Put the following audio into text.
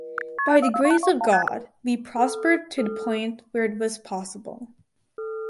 By the grace of God we prospered to the point where it was possible.